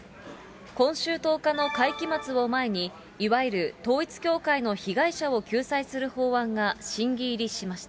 今週１０日の会期末を前に、いわゆる統一教会の被害者を救済する法案が審議入りしました。